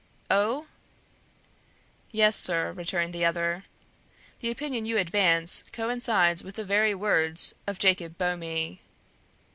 "Oh!" "Yes, sir," returned the other. "The opinion you advance coincides with the very words of Jacob Boehme.